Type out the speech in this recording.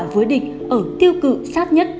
với địch ở tiêu cự sát nhất